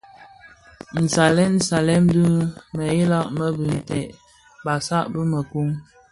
Nsalèn salèn dhi mëghèla më bitè, basag dhi měkoň,